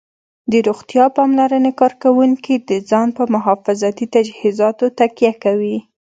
د روغتیا پاملرنې کارکوونکي د ځان په محافظتي تجهیزاتو تکیه کوي